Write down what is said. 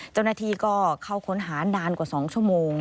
เจ้าหน้าที่ก็เข้าค้นหานานกว่า๒ชั่วโมง